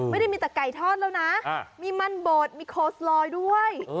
ไม่ได้มีแต่ไก่ทอดแล้วนะมีมันบดมีโคสลอยด้วย